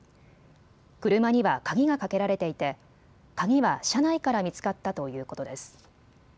車には鍵がかけられていて鍵は車内から見つかったということです。